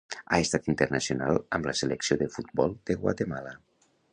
Ha estat internacional amb la selecció de futbol de Guatemala.